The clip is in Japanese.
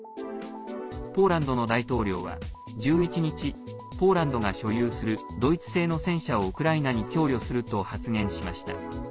ポーランドの大統領は１１日ポーランドが所有するドイツ製の戦車をウクライナに供与すると発言しました。